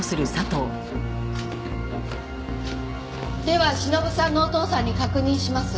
では忍さんのお父さんに確認します。